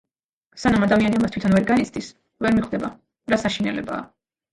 სანამ ადამიანი ამას თვითონ ვერ განიცდის, ვერ მიხვდება რა საშინელებაა.